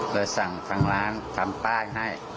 เลยสั่งร้านทำป้ายให้